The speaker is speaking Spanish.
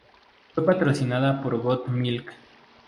Fue patrocinada por Got Milk?